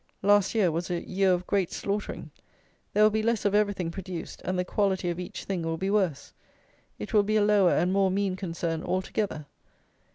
Last year was a year of great slaughtering. There will be less of everything produced; and the quality of each thing will be worse. It will be a lower and more mean concern altogether.